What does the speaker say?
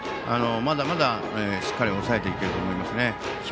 まだまだ、しっかり抑えていけると思います。